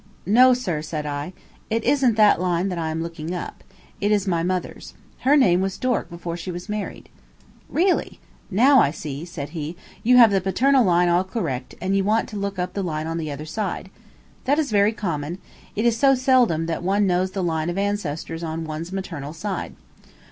"No, sir," said I; "it isn't that line that I am looking up. It is my mother's. Her name was Dork before she was married." "Really! Now I see," said he, "you have the paternal line all correct, and you want to look up the line on the other side. That is very common; it is so seldom that one knows the line of ancestors on one's maternal side.